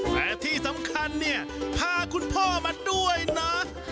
และที่สำคัญเนี่ยพาคุณพ่อมาด้วยนะ